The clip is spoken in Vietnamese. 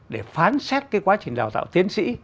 để phán xét cái quá trình đào tạo tiến sĩ